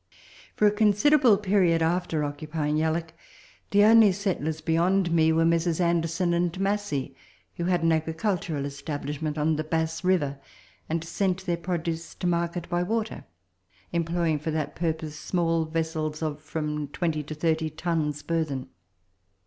For a considerable period after occupying Yalloak, the only settlers beyond me were Messrs. Anderson and Massie, who had an agricultural establishment on the Bass River, and sent their pro 160 Letters from Victorian Pioneers. duce to market by water, employing for that purpose small vessels of from 20 to 30 tons burthen.